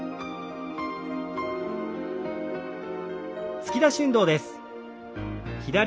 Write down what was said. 突き出し運動です。